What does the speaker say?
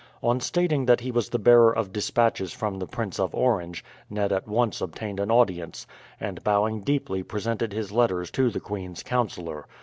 On stating that he was the bearer of despatches from the Prince of Orange Ned at once obtained an audience, and bowing deeply presented his letters to the queen's counsellor.